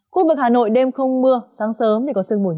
khu vực hà nội đêm không mưa sáng sớm thì có sương mùi nhẹ